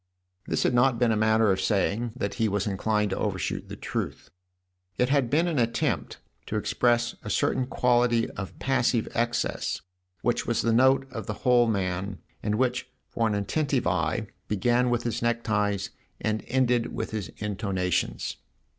This had not been a manner of 30 THE OTHER HOUSE saying that he was inclined to overshoot the truth ; it had been an attempt to express a certain quality of passive excess which was the note of the whole man and which, for an attentive eye, began with his neckties and ended with his intonations.